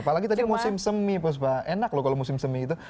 apalagi tadi musim semi pos pak enak loh kalau musim semi itu